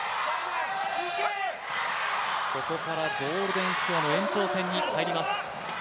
ここからゴールデンスコアの延長戦に入ります。